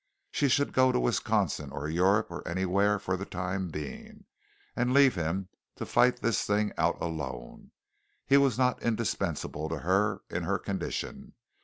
She should go to Wisconsin or Europe or anywhere, for the time being, and leave him to fight this thing out alone. He was not indispensable to her in her condition.